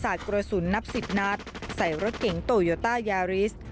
กระสุนนับสิบนัดใส่รถเก๋งโตโยต้ายาริส